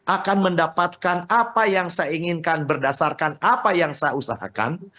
akan mendapatkan apa yang saya inginkan berdasarkan apa yang saya usahakan